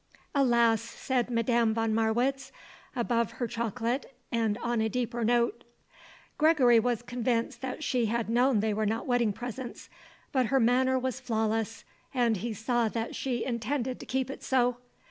"Alas!" said Madame von Marwitz above her chocolate, and on a deeper note. Gregory was convinced that she had known they were not wedding presents. But her manner was flawless and he saw that she intended to keep it so.